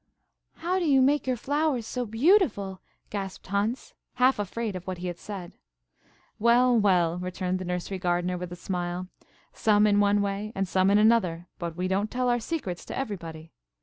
"How do you make your flowers so beautiful?" gasped Hans, half afraid of what he had said. "Well, well," returned the nursery gardener, with a smile, "some in one way and some in another; but we don't tell our secrets to everybody.